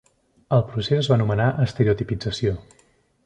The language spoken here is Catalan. El procés es va anomenar "estereotipització".